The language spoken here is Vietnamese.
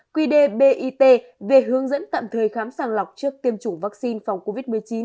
quy đề bit về hướng dẫn tạm thời khám sàng lọc trước tiêm chủng vaccine phòng covid một mươi chín